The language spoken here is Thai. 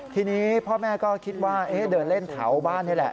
ทีนี้พ่อแม่ก็คิดว่าเดินเล่นแถวบ้านนี่แหละ